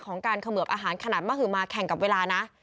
การเขมือบอาหารขนาดมหือมาแข่งกับเวลานะ